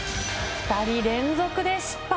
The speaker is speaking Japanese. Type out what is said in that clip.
２人連続で失敗。